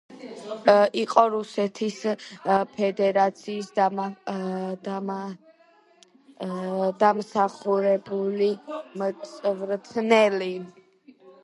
იყო რუსეთის ფედერაციის დამსახურებული მწვრთნელი.